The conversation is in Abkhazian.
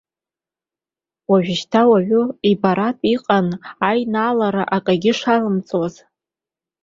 Уажәшьҭа уаҩы ибартә иҟан аинаалара акгьы шалымҵуаз.